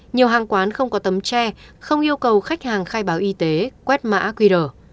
nhiều hàng quán không có tấm tre không yêu cầu khách hàng khai báo y tế quét mã qr